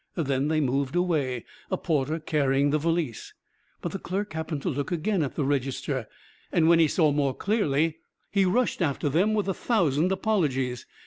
Then they moved away, a porter carrying the valise. But the clerk happened to look again at the register, and when he saw more clearly he rushed after them with a thousand apologies.